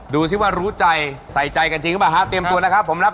ดูสิว่ารู้ใจใส่ใจกันจริงหรือไม่ครับ